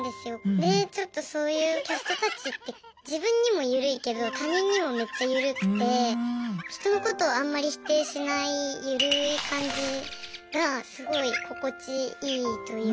でちょっとそういうキャストたちって自分にも緩いけど他人にもめっちゃ緩くて人のことをあんまり否定しない緩い感じがすごい心地いいというか。